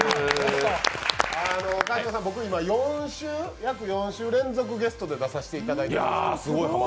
川島さん、僕、約４週連続、ゲストで出させていただいています。